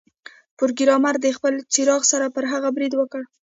پروګرامر د خپل څراغ سره پر هغه برید وکړ